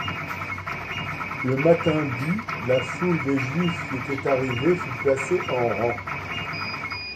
Le matin du la foule des Juifs qui était arrivée fut placée en rangs.